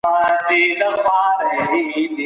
د بدن پیاوړتیا لپاره غوښه وخورئ.